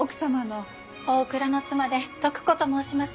大倉の妻で徳子と申します。